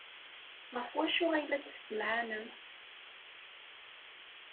Ɣef wacu ay la d-tessemɛanemt?